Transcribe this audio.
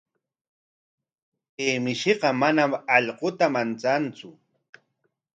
Kay mishiqa manam allquta manchantsu.